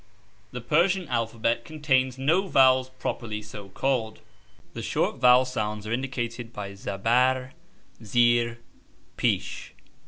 The Persian alphabet contains no vowels, properly so called. The short vowel sounds are indicated by (') zabarr, (J) zeerr, () jnsh.